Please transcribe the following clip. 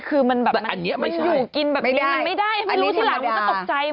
คุณแม่ชอบเพลงนี้ไง